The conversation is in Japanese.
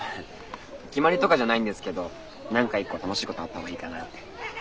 決まりとかじゃないんですけど何か１個楽しいことあったほうがいいかなって。